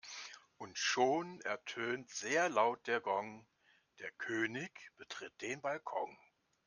Und schon ertönt sehr laut der Gong, der König betritt den Balkon.